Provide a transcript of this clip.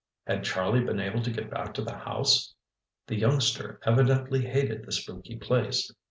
Had Charlie been able to get back to the house? The youngster evidently hated the spooky place.